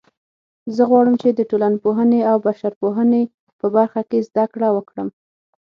زه غواړم چې د ټولنپوهنې او بشرپوهنې په برخه کې زده کړه وکړم